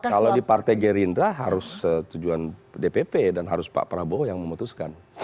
kalau di partai gerindra harus tujuan dpp dan harus pak prabowo yang memutuskan